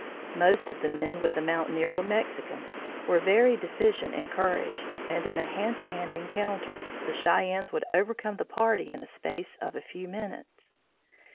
Most of the men with the mountaineer were Mexicans, very deficient in courage and in a hand to hand encounter, the Cheyennes could overcome the party in the space of a few minutes.